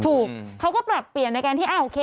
ถูกเขาก็ปรับเปลี่ยนในการที่โอเค